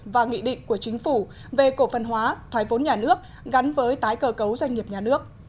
và nghị định của chính phủ về cổ phần hóa thoái vốn nhà nước gắn với tái cờ cấu doanh nghiệp nhà nước